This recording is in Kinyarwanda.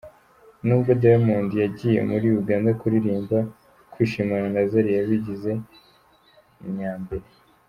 N'ubwo Diamond yagiye muri Uganda kuririmba, kwishimana na Zari yabigize nyambere.